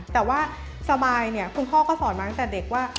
แต่ว่าสบายเนี่ยคุณพ่อก็สอนมาตั้งแต่เด็กว่า